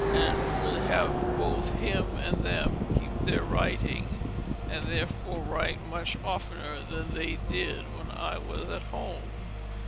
And would have both him and them keep their writing, and therefore write much oftener than they did when I was at home.